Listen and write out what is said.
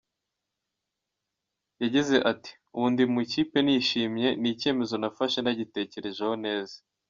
Yagize ati “Ubu ndi mu ikipe nishimiye, ni icyemezo nafashe nagitekerejeho neza.